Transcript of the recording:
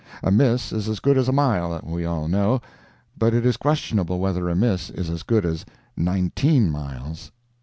A miss is as good as a mile, we all know—but it is questionable whether a miss is as good as nineteen miles.